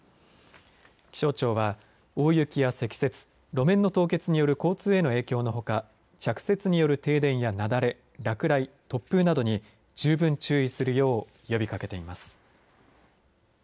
気象庁は大雪や積雪路面の凍結による交通への影響のほか着雪による停電や雪崩落雷、突風などに十分注意するよう呼びかけています。